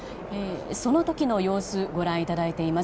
その時の様子をご覧いただいています。